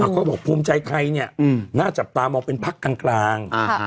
เขาบอกภูมิใจไทยเนี่ยน่าจับตามองเป็นพักกลาง